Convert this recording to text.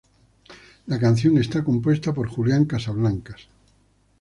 La canción es compuesta por Julian Casablancas.